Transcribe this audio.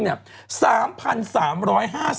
คุณหมอโดนกระช่าคุณหมอโดนกระช่า